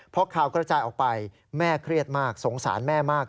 พอข่าวกระจายออกไปแม่เครียดมากสงสารแม่มาก